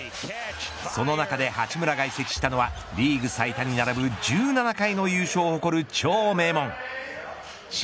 その中で八村が移籍したのはリーグ最多に並ぶ１７回の優勝を誇る超名門試合